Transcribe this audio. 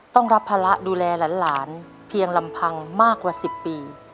ต้องรับภาระดูแลหลานเพียงลำพังมากกว่า๑๐ปี